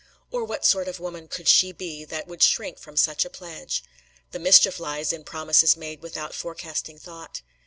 Or what sort of woman could she be that would shrink from such a pledge! The mischief lies in promises made without forecasting thought.